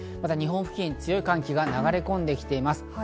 日本付近は強い寒気が流れ込んできています。